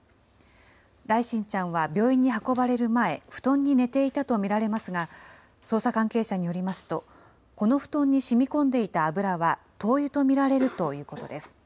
來心ちゃんは病院に運ばれる前、布団に寝ていたと見られますが、捜査関係者によりますと、この布団にしみこんでいた油は灯油と見られるということです。